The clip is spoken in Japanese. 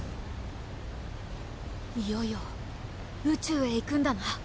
いよいよ宇宙へ行くんだな。